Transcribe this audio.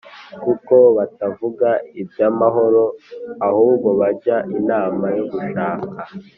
Kuko batavuga iby’amahoro, ahubwo bajya inama yo gushaka